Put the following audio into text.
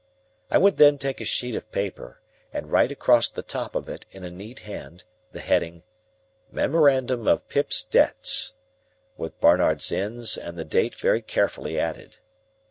I would then take a sheet of paper, and write across the top of it, in a neat hand, the heading, "Memorandum of Pip's debts"; with Barnard's Inn and the date very carefully added.